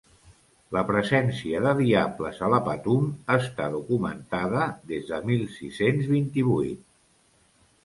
La presència de diables a la Patum està documentada des de mil sis-cents vint-i-vuit.